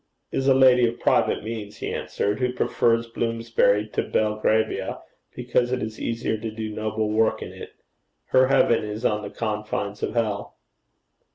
'Is a lady of private means,' he answered, 'who prefers Bloomsbury to Belgravia, because it is easier to do noble work in it. Her heaven is on the confines of hell.'